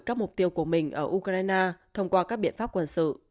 các mục tiêu của mình ở ukraine thông qua các biện pháp quân sự